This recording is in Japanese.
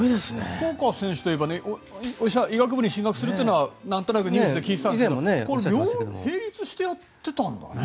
福岡選手と言えば医学部に進学するというのはなんとなくニュースで聞いていたんですけど並列してやってたんだね。